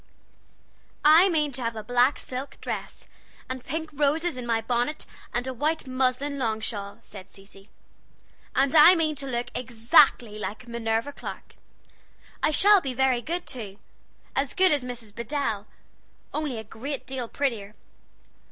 "I mean to have a black silk dress, and pink roses in my bonnet, and a white muslin long shawl," said Cecy; "and I mean to look exactly like Minerva Clark! I shall be very good, too; as good as Mrs. Bedell, only a great deal prettier.